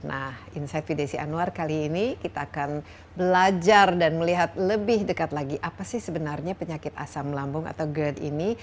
nah inside with desi anwar kali ini kita akan belajar dan melihat lebih dekat lagi apa sih sebenarnya penyakit asam lambung atau gerd ini